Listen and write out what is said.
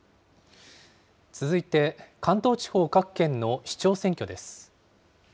続いて関東地方各県の市長選挙です。